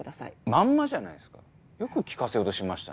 まんまじゃないすかよく聞かせようとしましたね。